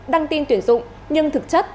đăng tin tuyển dụng nhưng thực chất